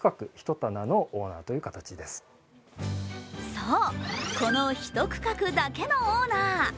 そう、このひと区画だけのオーナー。